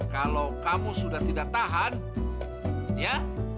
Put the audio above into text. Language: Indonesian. kalau kamu sudah tidak tahan ya